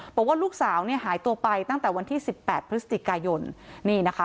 บอกว่าลูกสาวเนี่ยหายตัวไปตั้งแต่วันที่สิบแปดพฤศจิกายนนี่นะคะ